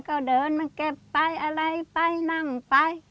ก็เดินมาเก็บไปอะไรไปนั่งไป